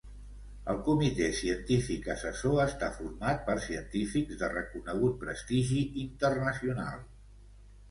El Comitè Científic Assessor està format per científics de reconegut prestigi internacional.